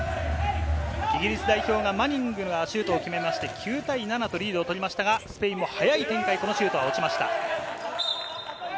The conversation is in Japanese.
イギリス代表がマニングがシュートを決めまして、９対７とリードを取りましたが、スペインも速い展開、このシュートは落ちました。